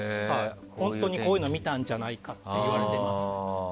本当にこういうのを見たんじゃないかと言われています。